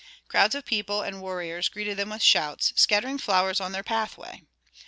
Crowds of people and warriors greeted them with shouts, scattering flowers on their pathway.